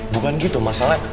bukan gitu mas alet